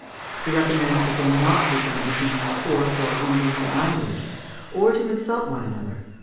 He recommends that they be not permitted to use coarse or indecent language, or to insult one another (Fig.